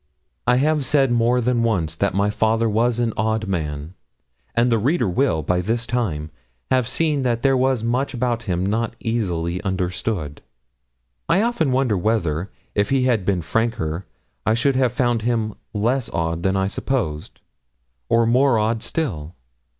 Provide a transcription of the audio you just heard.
I have said more than once that my father was an odd man; and the reader will, by this time, have seen that there was much about him not easily understood. I often wonder whether, if he had been franker, I should have found him less odd than I supposed, or more odd still.